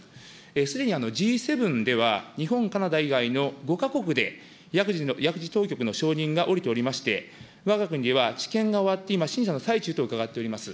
すでにＧ７では、日本、カナダ以外の５か国で、薬事当局の承認が下りておりまして、わが国では治験が終わって今審査の最中と伺っております。